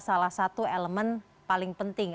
salah satu elemen paling penting